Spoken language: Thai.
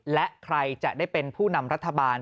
และใครจะได้เป็นผู้นำรัฐบาล